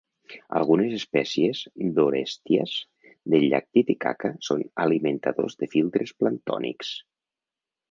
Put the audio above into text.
Algunes espècies d'"Orestias" del llac Titicaca són alimentadors de filtres planctònics.